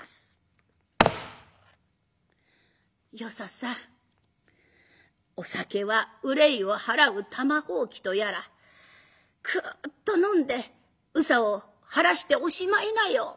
「与三さん『お酒は憂いを掃う玉箒』とやらクッと飲んで憂さを晴らしておしまいなよ」。